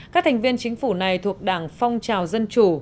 các thành viên chính phủ này thuộc đảng phong trào dân chủ